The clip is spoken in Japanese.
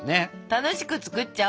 楽しく作っちゃおう！